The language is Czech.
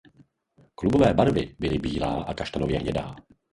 Klubové barvy byly bílá a kaštanově hnědá.